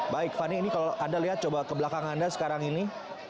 baik fani ini kalau anda lihat coba ke belakang anda sekarang ini